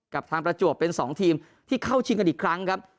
กับทางประจวบเป็น๒ทีมที่เข้าชิงกันอีกครั้งครับ